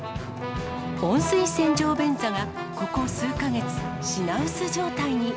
温水洗浄便座が、ここ数か月、品薄状態に。